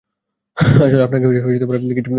আসলে, আপনাকে কিছু বলার ছিল।